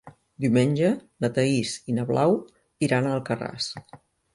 Diumenge na Thaís i na Blau iran a Alcarràs.